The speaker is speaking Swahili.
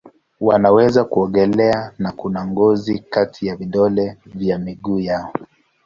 Wanaweza kuogelea na kuna ngozi kati ya vidole vya miguu yao.